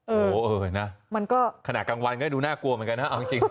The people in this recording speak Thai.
โอ้โหเออนะมันก็ขณะกลางวันก็ดูน่ากลัวเหมือนกันนะเอาจริง